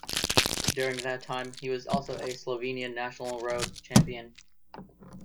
During that time, he was also a Slovenian national road champion.